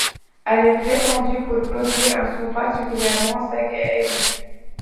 Elle est très tendue pour produire un son particulièrement sec et aigu.